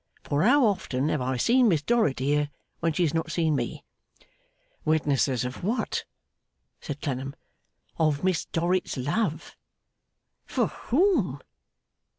For how often have I seen Miss Dorrit here when she has not seen me!' 'Witnesses of what?' said Clennam. 'Of Miss Dorrit's love.' 'For whom?